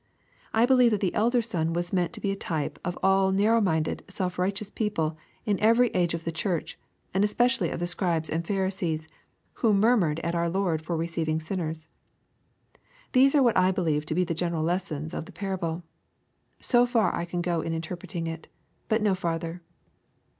— I believe that the elder son was meant to be a type of all narrow minded self righteous people in every age of the Church, and specially of the Scribes and Pharisees, who " murmured" at our Lord for receiving sinners. These are what I believe to be the general lessons of the parable. So far I can go in interpreting iU but no further.